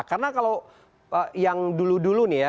karena kalau yang dulu dulu nih ya